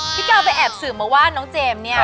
พี่ก้าวไปแอบสืบมาว่าน้องเจมส์เนี่ย